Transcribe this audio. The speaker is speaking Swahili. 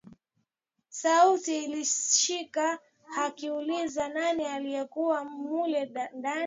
Sauti ilisikika ikiuliza nani aliyekuwa mule ndani